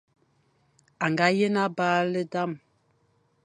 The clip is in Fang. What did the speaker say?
O nga yen abaghle dam ;